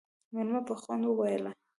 مېلمه په خوند وويل: